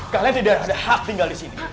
kalian tidak ada hak tinggal di sini